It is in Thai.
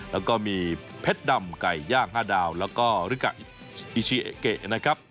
แล้วก็มีเพชรดำไก่ย่าง๕ดาวแล้วก็ริกะอิชิเอเกะนะครับ